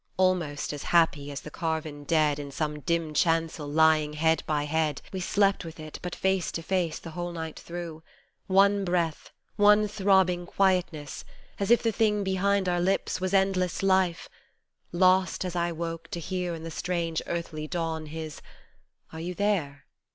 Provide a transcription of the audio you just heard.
Almost as happy as the carven dead In some dim chancel lying head by head We slept with it, but face to face, the whole night through One breath, one throbbing quietness, as if the thing behind our lips was endless life, Lost, as I woke, to hear in the strange earthly dawn, his " Are you there